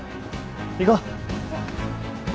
行こう。